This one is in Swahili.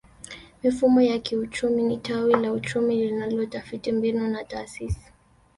Mifumo ya kiuchumi ni tawi la uchumi linalotafiti mbinu na taasisi